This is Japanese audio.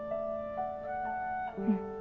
うん。